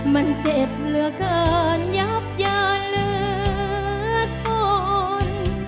มันเจ็บเหลือเกินยับยาเลือดตน